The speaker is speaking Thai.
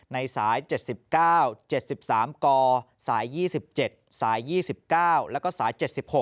ในสาย๗๙๗๓กสาย๒๗สาย๒๙แล้วก็สาย๗๖